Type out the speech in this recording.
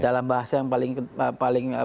dalam bahasa yang paling